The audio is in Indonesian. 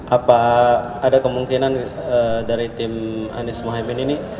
apa ada kemungkinan dari tim anies mohaimin ini